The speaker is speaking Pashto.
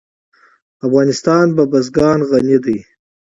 افغانستان په بزګان غني دی.